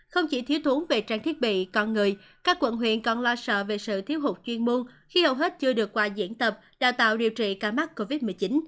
không chỉ thiếu thún về trang thiết bị con người các quận huyện còn lo sợ về sự thiếu hụt chuyên môn khi hầu hết chưa được qua diễn tập đào tạo điều trị ca mắc covid một mươi chín